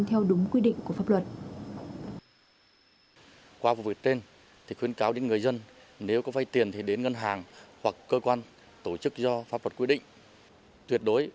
theo đúng quy định của pháp luật